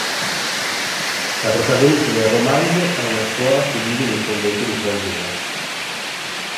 La protagonista del romanzo è una suora che vive in un convento di clausura.